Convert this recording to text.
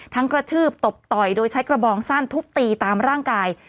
กระทืบตบต่อยโดยใช้กระบองสั้นทุบตีตามร่างกาย